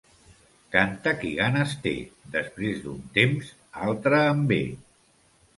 Canta qui ganes té; després d'un temps, altre en ve.